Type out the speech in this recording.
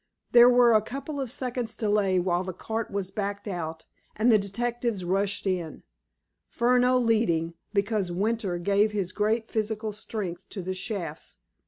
There were a couple of seconds' delay while the cart was backed out, and the detectives rushed in, Furneaux leading, because Winter gave his great physical strength to the shafts.